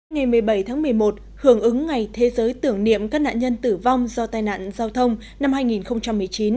ngày một mươi bảy tháng một mươi một hưởng ứng ngày thế giới tưởng niệm các nạn nhân tử vong do tai nạn giao thông năm hai nghìn một mươi chín